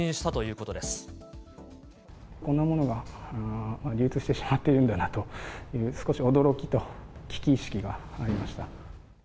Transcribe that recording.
こんなものが流通してしまっているんだなという、少し驚きと危機意識がありました。